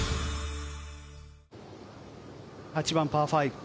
８番、パー５。